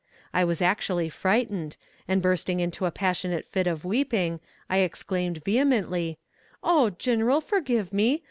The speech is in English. I was actually frightened, and bursting into a passionate fit of weeping, I exclaimed vehemently: "Oh, Gineral, forgive me!